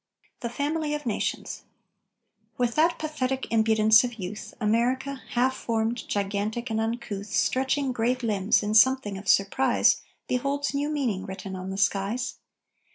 THE FAMILY OF NATIONS With that pathetic impudence of youth, America, half formed, gigantic and uncouth, Stretching great limbs, in something of surprise Beholds new meaning written on the skies.